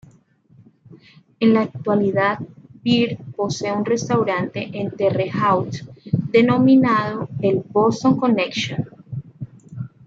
En la actualidad Bird posee un restaurante en Terre Haute, denominado el "Boston Connection".